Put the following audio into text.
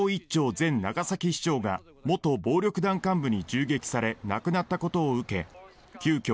前長崎市長が元暴力団幹部に銃撃され亡くなったことを受け急きょ